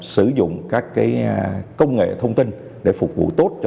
sử dụng các công nghệ thông tin để phục vụ tốt